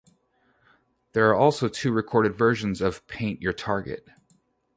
There are also two recorded versions of "Paint Your Target".